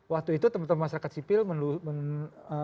waktu itu teman teman masyarakat sipil menunggu